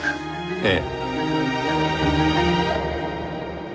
ええ。